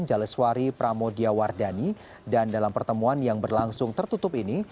jaleswari pramodyawardhani dan dalam pertemuan yang berlangsung tertutup ini